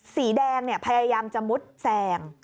สีแดงพยายามจะมุดแซง